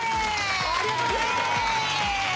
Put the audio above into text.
ありがとうございます！